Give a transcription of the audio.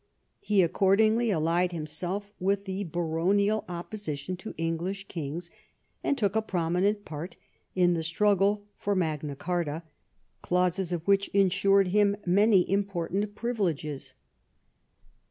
He accordingly allied himself with the baronial opposition to English kings, and took a prominent part in the struggle for Magna Charta, clauses of which ensured him many important privileges.